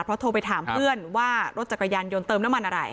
เพราะโทรไปถามเพื่อนว่ารถจักรยานยนต์เติมน้ำมันอะไร